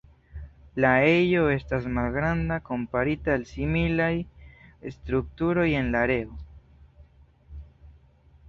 La ejo estas malgranda komparita al similaj strukturoj en la areo.